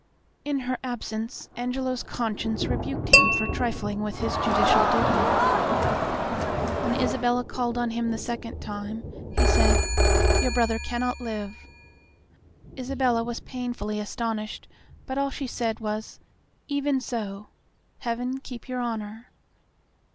In her absence Angelo's conscience rebuked him for trifling with his judicial duty. When Isabella called on him the second time, he said, "Your brother cannot live." Isabella was painfully astonished, but all she said was, "Even so. Heaven keep your Honor."